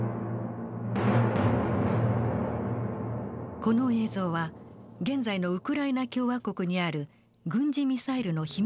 この映像は現在のウクライナ共和国にある軍事ミサイルの秘密